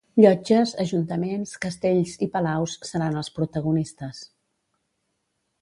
Llotges, ajuntaments, castells i palaus seran els protagonistes.